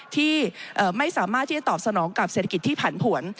ที่ไม่สามารถที่จะตอบสนองกับเศรษฐกิจที่ผันผวน